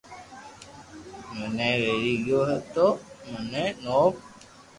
منو ويري گيو ھي تو مني ٺوپ